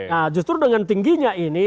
nah justru dengan tingginya ini